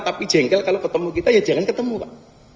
tapi jengkel kalau ketemu kita ya jangan ketemu pak